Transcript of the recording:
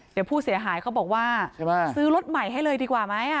เดี๋ยวผู้เสียหายเขาบอกว่าซื้อรถใหม่ให้เลยดีกว่าไหม